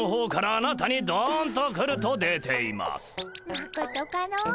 まことかの？